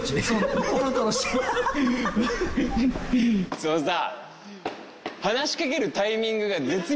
そのさ。